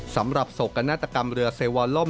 สำหรับโศกนาตกรรมเรือเซวอล่ม